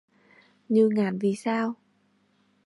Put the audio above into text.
Như ngàn vì sao